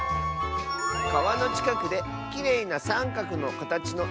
「かわのちかくできれいなさんかくのかたちのいしをみつけた！」。